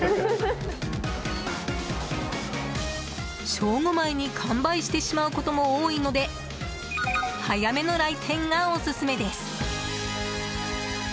正午前に完売してしまうことも多いので早めの来店がオススメです。